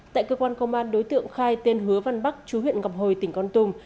tại cơ quan công an đối tượng khai tên hứa văn bắc chú huyện ngọc hồi tỉnh con tùm